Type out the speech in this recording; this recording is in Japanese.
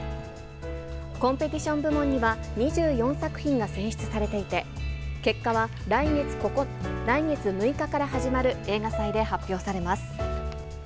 コンペティション部門には、２４作品が選出されていて、結果は来月６日から始まる映画祭で発表されます。